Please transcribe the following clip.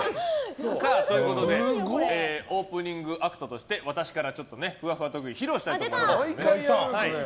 オープニングアクトとして私から、ふわふわ特技を披露したいと思います。